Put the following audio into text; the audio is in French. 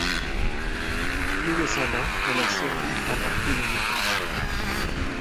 Plus récemment, elle a servi à marquer les moutons.